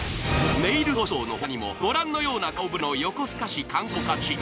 ネイルと書道の他にもご覧のような顔ぶれの横須賀市観光課チーム。